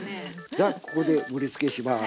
じゃここで盛りつけします。